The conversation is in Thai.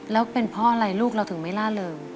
แล้วเป็นเพราะอะไรลูกเราถึงไม่ล่าเริง